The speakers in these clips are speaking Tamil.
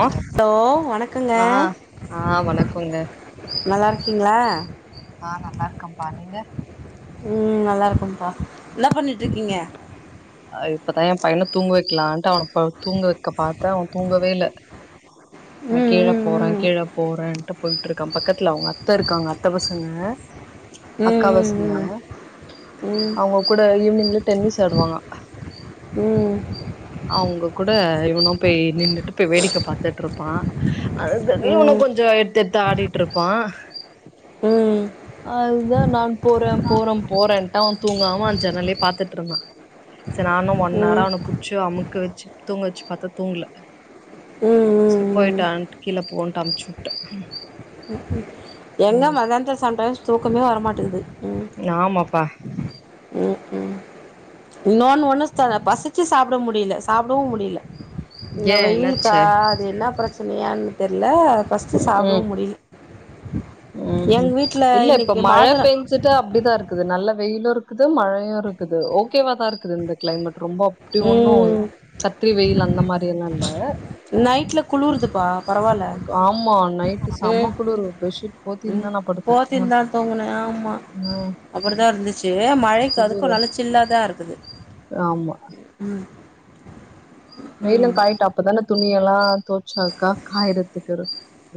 ஆ ஹலோ வணக்கங்க ஆ ஆ வணக்கோங்க நல்லா இருக்கீங்ளா ஆ நல்லா இருக்கம்பா நீங்க ம் நல்லா இருக்கம்ப்பா இன்னா பண்ணிட்ருக்கீங்க அ இப்பதா எ பையன தூங்க வெக்கலான்ட்டு அவன ப தூங்க வெக்க பாத்த அவ தூங்கவே இல்ல நா கீழ ம் போறே ம் கீழ போறன்ட்டு போயிட்ருக்கா பக்கத்துல அவுங்க அத்த இருக்காங்க அத்த பசங்க அக்கா பசங்க ம் ம் அவுங்க கூட ஈவினிங்ல டென்னிஸ் ஆடுவானா ம் அவுங்க கூட இவனும் போய் நின்னுட்டு போய் வேடிக்க பாத்துட்ருப்பா அதனியு இவனு ம் கொஞ்சோ எட்த்தெட்த்து ஆடிட்டுருப்பா ம் அதுதா நா போறே போறே போறேன்ட்டு அவ தூங்காமா ஜன்னலே பாத்துட்ருந்தா செரி நானு ம் ஒன்னாரா ம் அவன புட்ச்சு அமுக்கு வெச்சு தூங்க வெச்சு பாத்தா தூங்கல ம் செர் ம் போய்ட்டுவான்ட்டு கீழ போன்ட்டு அம்ச்சுவுட்ட எங்க மதான்துல சம்டைம்ஸ் தூக்கமே வரமாட்டேக்குது ம் ஆமாப்பா ம் ம் இன்னொன்னு ஒண்ணு ச பசிச்சு சாப்பிட முடியல சாப்பிடவு முடியில இந்த ஏ வெயில்க்கா என்னாச்சு அது இன்னா ப்ரெ ச்சனியான்னு தெரில ஃபஸ்ட்டு சாப்டவு ம் முடில ம் ம் இல்ல இப்ப மழ பெஞ்சுட் டு அப்டிதா இருக்குது நல்ல வெயிலு இருக்குது மழையு இருக்குது ஓகேவாதா இருக்குது இந்த க்ளைமேட் ரொம்ப அப்பிடி ஒண்ணு ம் கத்திரி வெயில் அந்த மாரி எல்லா இல்ல நைட்ல குளுருதுப்பா பரவால்ல ஆமா நைட்டு சம்ம ம் குளுரு பெஷ்ஷீட் ம் போத்திந்தா நா படுத்தே அ போத்தின் ஆ அப்படித்தா இருந்துச்சு மழைக்கு அதுக்கு குளுரு நல்லா சில்லாதா இருக்குது ஆமா ம் வெயிலு காயிட்டோ அப்பதான துணியெல்லா தோச்சாக்கா காயறத்துக்கொரு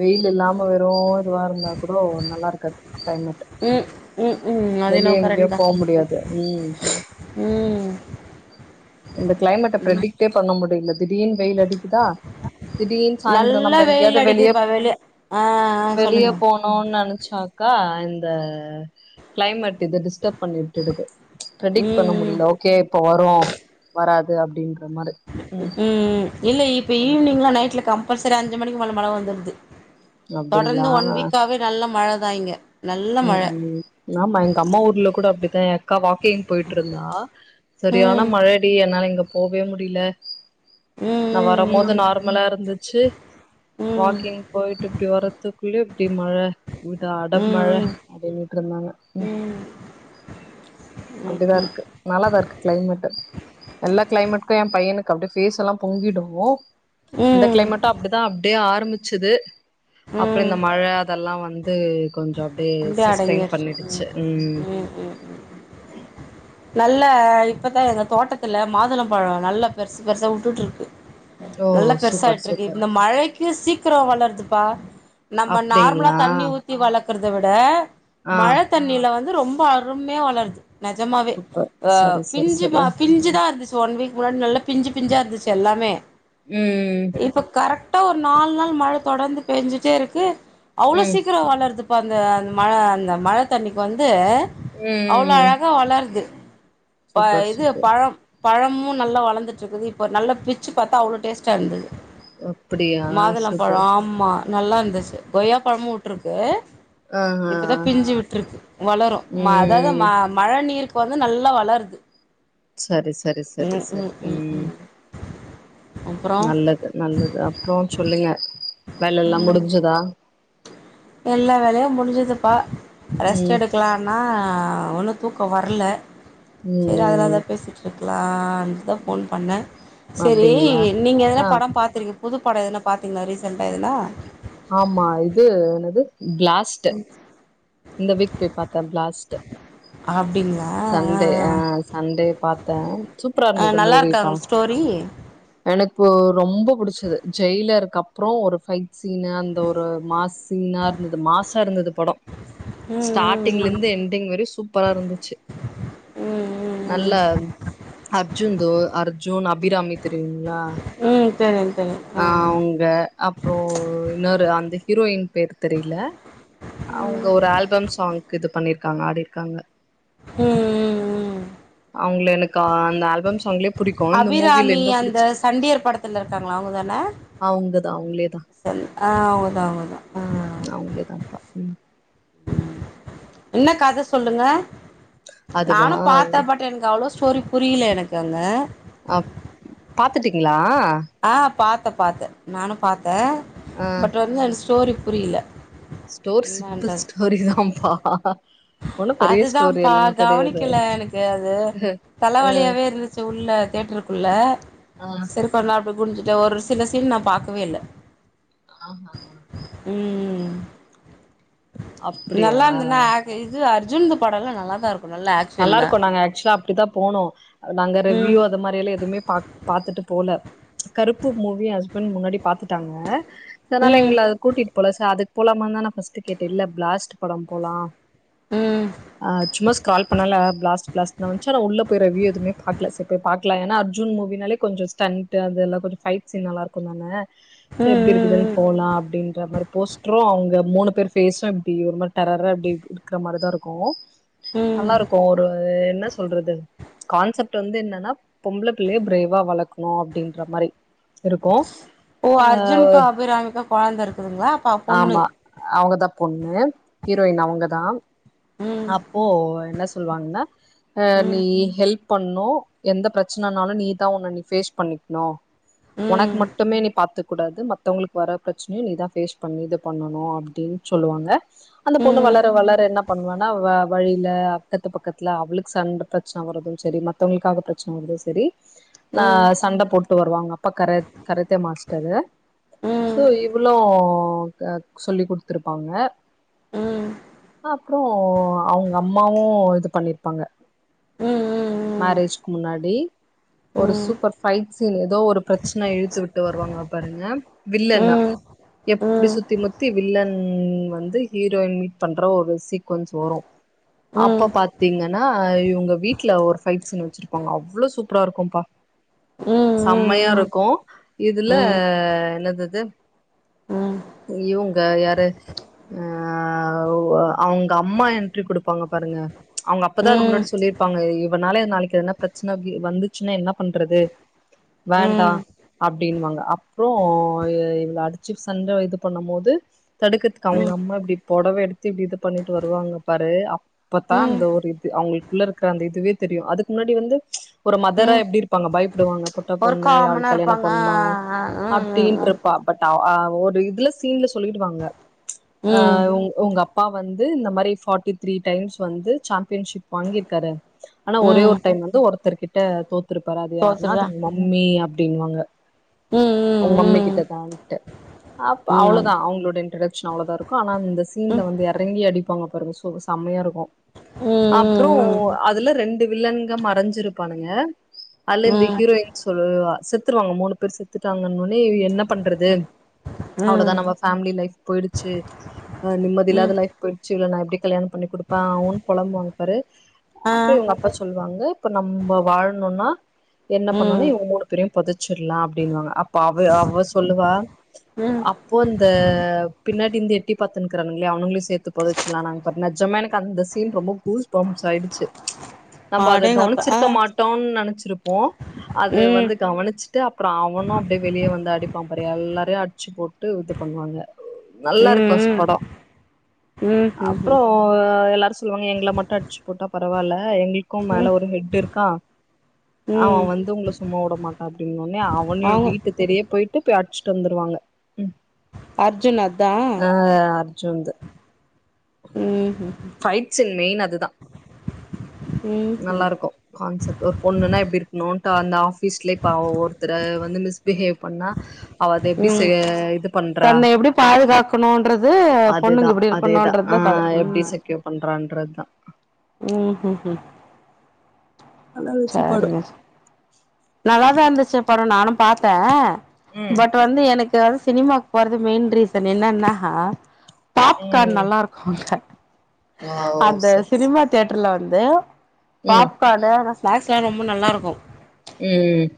வெயில் இல்லாம வெறு இதுவா இருந்தா கூடோ நல்லா இருக்காது கிளைமேட் ம் ம் ம் அதென்னவோ வெளிய எங்கேயு கரெக்ட்தா போ முடியாது ம் ம் இந்த கிளைமேட்ட ப்ரடிக்ட்டே பண்ண முடில திடீர்னு வெயில் அடிக்குதா திடீர்னு சாய்ந்திரோ நல்லா நம்ப எங்கயாது வெயில் அத வெளிய அடிக்குதுப்பா ஆ ஆ வெளிய சொல்லுங்க போனு ஒ நெனச்சாக்கா இந்த கிளைமேட் இதுது டிஸ்டப் பண்ணிட்டுருக்கு ப்ரடிக்ட் பண்ண ம் ம் முடில ஓகே இப்ப வரு வராது அப்டின்ற மாரி ம் இல்ல இப்ப அந்த மாரி ஈவினிங்லா இருக்கு நைட்ல கம்பல்சரி அஞ்சு மணிக்கு மேல மழ வந்துடுது தொடர்ந்து அப்டிங்களா ஒன் வீக்காவே நல்ல மழதா இங்க நல்ல மழ ம் ஆமா எங்க அம்மா ஊர்ல கூட அப்டித்தா அக்கா வாக் போய்ட்டுருந்தா சரியான ம் மழ அடி என்னால இங்க போவே முடில ம் நா வரும் போது ம் நார்மலாருந்துச்சு ம் ம் வாக்கிங் போய்ட்டு இப்டி வரத் துக்குள்ளயே இப்டி மழ இட அட மழ ம் ம் அப்டின்றாங்க ம் ம் ம் அப்டிதாருக்கு நல்லாதாருக்கு கிளைமேட்டு எல்லா கிளைமேட்க்கு ஏ பையனுக்கு அப்டியே பேபேஸ் எல்லா பொங்கிடு இந்த ம் கிளைமேட்டு அப்டிதா அப்டியே ஆரம்பிச்சது அப்றோ ம் இந்த மழ அதெல்லா வந்து து கொஞ்சோ அப்டியே சஸ்டென் அடங்கிருச்சு பண்ணிடுச்சு ம் ம் ம் நல்ல இப்பதா எங்க தோட்டத்துல மாதுளம் பழோ நல்லா பெருசு பெருசா வுட்டுட்டுருக்கு ஓ நல்லா சூப்பர் பெருசாயிட்ருக்கு சூப்பர் இந்த மழைக்கு சீக்கிரோ வளருதுப்பா நம்ம நார்மலா அப்டிங்களா தண்ணி ஊத் தி வளர்க்றத விட ஆ மழ தண்ணில வந்து ரொம்ப அருமையா வளருது நெஜமாவே சூப்பர் அ சரி சரி பிஞ்சுமா சரி பிஞ்சுதாருந்துச்சு ஒன் வீக் முன்னாடி நல்லா பிஞ்சு பிஞ்சாருந்துச்சு எல்லாமே ம் இப்ப கரெக்டா ஒரு நால் நாள் மழ தொடர்ந்து பெஞ்சுட்டேருக்கு அவ்ளோ ம் சீக்கிரோ வளறது இப்போ அந்த அந்த மழ அந்த மழ தண்ணிக்கு வந்து அவ்ளோ ம் அழகா வளருது ப சூப்பர் இது சூப்பர் பழம் பழமு நல்லா வளர்ந்துட்டுருக்குது இப்போ நல்ல பிச்சு பாத்தா அவ்ளோ டேஸ்ட்டாருந்துது அப்டியா மாதுளம் பழோ சூப்பர் ஆமா நல்லா இருந்துச்சு கொய்யா பழமு வுட்ருக்கு ஆ ஆ இப்போதா பிஞ்சு விட்டுருக்கு வளரு ம அதாவது ம் ம மழ நீருக்கு வந்து நல்லா வளருது சேரி சேரி சேரி ம் சேரி ம் ம் ம் அப்றோ நல்லது நல்லது அப்றோ சொல்லுங்க வேல எல்லாம் முடிஞ்சதா எல்லா வேலயு முடிஞ்சுதுப்பா ரெஸ்ட் ம் எடுக்கலா ஆனா ஒன்னு தூக்கோ வரல சேரி அதினால ம் தா பேசிட்ருக்லா ன் ஃபோன் பண்ணே சேரி அப்டிங்களா நீங்க எதனா ஆ படம் பாத்துருக்கீ புதுப்படோ எதுனா பாத்திங்களா ரீசண்டா எதுனா ஆமா இது என்னது பிளாஸ்டு இந்த வீக் போய் பாத்தோ பிளாஸ்டு அப்டிங்களா சண்டே ஆ சண்டே பாத்தே ஆ சூப்பராருந்துது நல்லாருக்கா மூவிப்பா உங்க ஸ்டோரி எனக்கு ரொம்ப புடிச்சது ஜெயிலர்க்கப்றோ ஒரு ஃபைட் சீனு அந்த ஒரு மாஸ் நல்லாருந்துது மாசாருந்தது படோ ம் ம் ஸ்டார்டிங்லந்து எண்டிங் வரைக்கு சூப்பராருந்துச்சு ம் நல்ல ம் அர்ஜுன் தோ அர்ஜுன் அபிராமி தெரியுங்ளா ம் தெரியு தெரியு அ அவுங்க அப்றோ இன்னொரு அந்த ஹீரோயின் பேரு தெரில அவுங்க ஒரு ஆல்பம் சாங்க்கு இது பண்ணிருக்காங்க ஆடிருக்காங்க ம் ம் ம் அவுங்ள எனக்கு அந்த ஆல்பம் ஸாங்ளே புடிக்கூ இந்த மூவியில அபிராமி இன்னூ அந்த புடிச் சண்டியர் படத்துல இருக்காங்கள அவுங்க தான அவங்கதா அவங்களேதா சண் ஆ அவுங்க தா அவுங்க தா ஆ அவுங்களே தாப்பா ம் என்ன கத சொல்லுங்க அதுவா நானும் பாத்த பட் ட்டு எனக்கு அவ்வளோ ஸ்டோரி புரியில எனக்கு அங்க அப் பாத்துட்டிங்ளா ஆ பாத்தே பாத்தே நானும் பாத்தே ஆ பட் வந்து ஸ்டோரி புரியில ஸ்டோரி சிம்பிள் ஸ்டோரி தாம்ப்பா அதுதாம்ப்பா கவனிக்கல எனக்கு அது தலவலியாவே இருந்துச்சு உள்ள தேட்ருக்குள்ள ஆ செரு கொ நா அப் குனிஞ்சிட்ட ஒரு சில சீன் நா பாக்கவே இல்ல ஆஹா ஹா ம் நல்லா அப்படியா இருந்தனா இது அர்ஜுன் இந்த படலா நல்லா தா இருக் நல்லா இருக்கூ நாங்க ஆக்சுலா அப்டித்தா போனோ நாங்க ம் ரிவ்யூ அது மாரி எல்லா எதுமே பாக் பாத்துட்டு போல கருப்பு மூவி ஹஸ்பண்ட் முன்னாடி பாத்துட்டாங்க சனால ம் எங்கள அதுக் கூட்டிட்டு போல சா அதுக்கு போலாமான் தா நா பர்ஸ்ட்டு கேட்டே இல்ல ப்ளாஸ்ட் படம் போலா ம் ஆ சும்மா ஸ்க்ரால் பண்ணால ப்ளாஸ்ட் ப்ளாஸ்ட்னு வந்ச்சி ஆனா உள்ள போய் ரிவ்யூ எதுமே பாக்ல சரி போய் பாக்லா ஏன்னா அர்ஜுன் மூவினாலே கொஞ்சோ ஸ்டண் ட்டு அதெல்லா கொஞ்சொ ஃபைட் சீன் நல்லா இருக்கூ தான ம் எப்டி இருக்குதுன் ம் போலா அப்டின்ற மாரி போஸ்ட்ரு அவுங்க மூணு பேர் ஃபேஸு இப்டி ஒரு மாரி டரரா அப்டி இருக்குற மாரிதா இருக்கூ ம் நல்லா ம் இருக்கூ ஒரு என்ன சொல்றது கான்செப்ட் வந்து என்னன்னா பொம்பளப்புள்ளய ப்ரேவா வளக்ணு அப்டின்ற மாரி இருக்கூ ஓ அர்ஜுனுகூ அபிராமிக்கூ கொழந்த இருக்குதுங்ளா ஆமா அவுங்கதா பொண்ணு ஹீரோயின் அவுங்கதா ம் அப்போ என்ன சொல்வாங்கன்னா அ ம் நீ ஹெல்ப் பண்ணூ எந்த பிரச்சனனாலு நீதா ஒன்ன நீ ஃபேஸ் பண்ணிக்கணு ம் ஒனக்கு மட்டுமே நீ பாத்துக் கூடாது மத்தவங்களுக்கு வர பிரச்சனையு நீதா ஃபேஸ் பண்ணி இது பண்ணணு அப்டின் சொல்லுவாங்க அந்த பொண்ணு ம் வளர வளர என்னப் பண்ணுவான்னா வ வழியில அக்கத்து பக்கத்துல அவளுக்கு சண்ட பிரச்சன வரதும் சரி ம மத்தவங்களுக்காக பிரச்சன வரதூ சரி நா ம் சண்ட போட்டு வருவாங்க அவுங்ப்பா கரத் கரத்த மாஸ்ட்டரு ம் ம் சே இவ்ளூ க சொல்லி் குடுத்துருப்பாங்க ம் அப்றோ அவுங்க அம்மாவு இது பண்ணிருப்பாங்க ம் ம் ம் மேரேஜ்க்கு முன்னாடி ஒரு ம் சூப்பர் ஃபைட் சீன் எதோ ஒரு பிரச்சன இழுத்து விட்டு வருவாங்க பாருங்க வில்லன்னா ம் ம் எப்டி ம் சுத்தி முத்தி வில் வில்லன் வந்து ஹீரோயின் பண்ற ஒரு சீக்வன்ஸ் வரு ம் அப்ப பாத்தீங்கன்னா ஆ இவுங்க வீட்ல ஒரு ஃபைட்ஸீன் வச்சிருப்பாங்க அவ்ளோ சூப்பரா இருக்கும்ப்பா ம் ம் ம் செம்மையா இருக்கூ இதுல என்னதுது இவுங்க யாரு அ அவுங்க அம்மா என்ட்ரி குடுப்பாங்க பாருங்க அவங்க அப்தா ம் அது ம் முன்னாடி சொல்லியிருப்பாங்க இவனால நாளைக்கு எதன ப்ரச்சனெ வந்துச்சுன்னா என்ன பண்றது ம் வேண்டான் அப்டின் வாங்க அப்புறம் இவள அடிச்சு சண்டெ இது பண்ணும் போது தடுக்கத்துக்கு அவங்க அம்மா இப்டி புடவ எடுத்து இப்டி இது பண்ணிட்டு வருவாங்க பாரு அப் அப்பத்தா அந்த ஒரு இது அவங்களுக்குள்ள இருக்ற அந்த இதுவே தெரியுன் அதுக்கு முன்னாடி வந்து ஒரு மதரா ம் எப்டி இருப்பாங்க பயப்படுவாங்க பொட்டா ஒரு பொண்ணு காமனா அவளுக்கு கல்யாணம் இருப்பாங்க பண்ணும் ஆ அப்டின்ட்ருப்பா பட் அ ஒ ஒரு இதுல சீன்ல சொல்லிட்டுவாங்க ம் ம் அம் உங்க அப் அப்பா வந்து இந்த மாரி பார்ட்டி த்ரீ டைம்ஸ் வந்து சாம்பியன்ஷிப் வாங்கியிருக்காரு ஆனா ஒரே ம் ஒரு டைம் வந்து ஒருத்தர் கிட்ட தோத்துருப்பார் அது யாருன்னா தோத்துட்டா அதுங்க மம்மி அப்டின்வாங்க ம் ம் உங்க மம்மி ம் கிட்ட தான்ட்டு அப் ம் அவ்ளோதா அவங்களோட இன்ரோடக்ஷன் அவ்ளோதா இருக் ஆனா அந்த ம் சீன்ல வந்து எறங்கி அடிப்பாங்க பாருங்க செம்மையா இருக்குன் அப்புறோ ம் ம் அதுல ரெண்டு வில்லன்ங்க மறைஞ்சிருப்பானுங்க அல்ல ம் இந்த ம் ஹீரோயின் சொல்லவ செத்துருவாங்க மூணு பேர் செத்துட்டாங்கன்னனே என்ன பண்றது அவ்ளோதா ம் நம்ம ஃபேமிலி லைஃப் போயிடுச்சு அ நிம்மதி ம் இல்லாத லைப் போயிடுச்சு இவள நா எப்டி கல்யாண பண்ணி குடுப்பேன் அவன்னனு பொழம்புவாங்கப்பாரு ஆ அப்புறம் இவங்க அப்பா சொல்லுவாங்க இப்ப நம்ப வாழணும்னா என்ன பண்ணனு ம் இவங்க மூணு பேரையும் பொதச்சிடலாம் அப்டின்னுவாங்க அப்ப அவ அவ சொல்லுவா ம் அப்போ இந்த பின்னாடி இருந்து எட்டி பாத்துன்னக்கிறானுங்கல்லையா அவனுங்களே சேத்து பொதச்சுலாங்க நஜமா எனக்கு அந்த சீன் ரொம்ப கூஸ் பம்ஸ் ஆயிடுச்சு நம்ப அத அடேங்கப்பா ஆ கவனிசிருக்க மாட் டவுன் நெனசிருப்போம் அது ம் வந்து கவனிசிட்டு அப்புறம் அவனும் அப்டியே வெளியே வந்து அடிப்பான் எல்லாரையும் அடி ச்சி போட்டு இது பண்ணுவாங்க நல்லா ம் இருக்கும் ம் படம் ம் ம் ம் அப்புறம் எல்லாக் இவாங்க எங்கள மட்டு அடிச்சு போட்டா பரவால்ல எங்களுகும் ம் மேல ஒரு எட் இருக்கான் ம் அவன் வந்து உங்கள சும்மா உட மாட்டா அப்டின்னோன்னே அவ ஒடனே அவங்க வீட்டு தேடியே போயிட்டு போய் அடிச்சுட்டு வந்துருவாங்க அர்ஜுன் அதா ஆ அர்ஜுன்து ம் ம் ஃப்ஹைட் சீன் மெயின் அது தான் ம் ம் நல்லாருக்கும் கான்செப்ட் ஒரு பொண்ணுன்னா இப்டி இருகணும் அந்த ஆபீஸ்ல இப்ப ஒ ஒருத்தர வந்து மிஸ்பிகேவ் பண்ணா அவ அத எப்டி செ ம் இது பண்றா தன்னை எப்டி பாதுகாக் இப்பநன்றது பொண்ணுங்க இப்டி இருகணுன்றதுதா கதை ஒகே பண்றான்றது தா ம் ம் ம் நல்லா இருந்துச்சு படோ சரிங்க நல்லாதா இருந்துச்சி அப்பறம் நானும் பாத்தே ம் பட் இப்ப வந்து எனக்கு வந்து சினிமாக்கு போறது மெயின் ரீசன் என்னன்னா பாப்கார்ன் ம் நல்லா இருக் குன்ல ஓ அந்த சரி சரி சினிமா த்யேடர்ல வந்து ம் பாப்கானு அந்த ஸ்நாக்ஸ்ல்லா ரொம்ப நல்லா இருக்கும் ம் ம்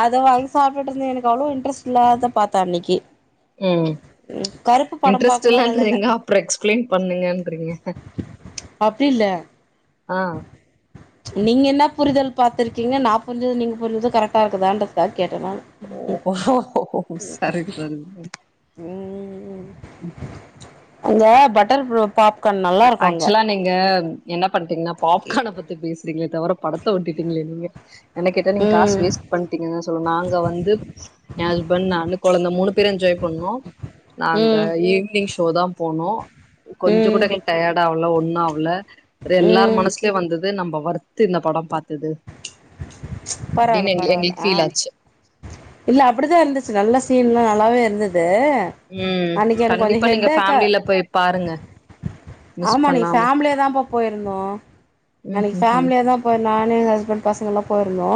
அதவாங்கி சாப்ட்ட்டு இருந்த எனக்கு அவ்ளவு இன்ட்ரெஸ்ட் இல்ல அதா பாத்தே அன்னைக்கி ம் இன்ட்ரெஸ்ட் பாக்கும்போது நல்லா இல்ல இல்லான்றீங்க அப்புறம் எக்ஸ்பிளைன் பண்ணுங்கன்றீங்க அப்டி இல்லை ஆன் நீங்க என்ன புரிதல் பாத்திருக்கீங்க நான் புரிஞ்சும் நீங்க புரிஞ்சதும் கரெக்டா இருக்குதான்தா கேட்டன் நானு ஓ சரி சரி ம் இந்த பட்டர் ப்ரோ பாப் ஆச்சுலா நீங் க என்ன பண்ட்டீங்னா பாப்கான பத்தி பேஸ்றிங்ளே தவர படத்த ஓட்டிட்டிங்ளே நீங்க என்ன கேட்டா நீங்க காஸ் ம் வேஸ் பண்ணிட்டிங்கதா சொல்லு நாங்க வந்து ஏ ஹஸ்பண்ட் நானு கொழந்த பேரு என்ஜாய் பண்ணோ நாங்க ம் ஈவினிங் ஷோதா போனோ கொஞ்ச ம் கூட ஹெ டயட் ஆவுல ஒன்னு ஆவ்ல இரு எல்லார் ம் மனஸ்லோ வந்தது நம்ப வர்த்து இந்த பட பாத்தது பரவால்ல அப்டின் எங்ளு பரவால்ல எங்ளுக் ஃபீல் ஆ ஆச்சு இல்ல அப்புடிதா இர்ந்துச்சு நல்ல சீன்ல்லா நல்லாவே இருந்துது ம் கண்டிப்பா நீங்க ஃபேம்லில போய் பாருங்க மிஸ் ஆமா அன்னக் பண்ணாம ஃபேம்லியாதாப்பா போயருந்தோ நா ம் இன்னக் ம் ம் ஃபேம்லியாதா போயிர் நானு எங் ஹஸ்பண்ட் பசங்கள்லா போயிருந்தோ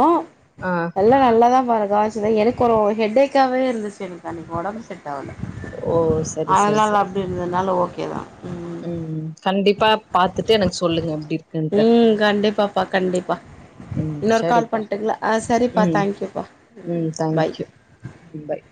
அ எல்லா நல்லாதா பாரு காவிச்சுத எனுக்கு ஒரு ஹெட்டேக்காவே இருந்துச்சு எனக்கு அன்னக் ஒடம் செரி டவுல ஓ சரி சரி அதனால சரி அப்டி இர்ந்துதுனால ஓகேதா ம் ம் கண்டிப்பா பாத்துட்டு எனக் சொல்லுங்க அப்டிற் ம் கண்டிப்பாப்பா கண்டிப்பா ம் இன்னொரு கால் சரிப்பா பண்ட்டுங்ளா அ சரிப்பா ம் தேங்கயூபா ம் பாய் ம் பாய்